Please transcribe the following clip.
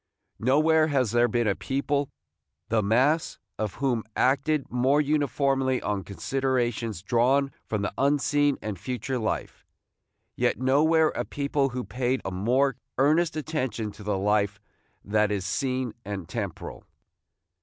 Nowhere has there been a people, the mass of whom acted more uniformly on considerations drawn from the unseen and future life; yet nowhere a people who paid a more earnest attention to the life that is seen and temporal.